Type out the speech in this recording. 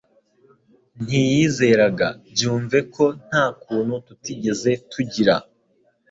Ntiyizeraga byumve ko nta kuntu tu tigeze tugira